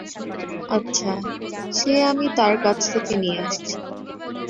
আচ্ছা, সে আমি তার কাছ থেকে নিয়ে আসছি।